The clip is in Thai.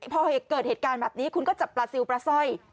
พอเกิดเหตุการณ์แบบนี้คุณก็จับปลาซิลปลาสร้อย